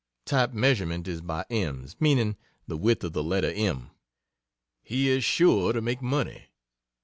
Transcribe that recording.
Type measurement is by ems, meaning the width of the letter 'm'.] he is sure to make money.